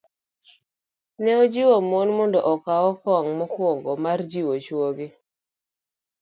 Ne ojiwo mon mondo okaw okang' mokwongo mar jiwo chwogi